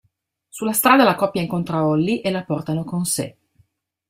Sulla strada la coppia incontra Holly e la portano con sé.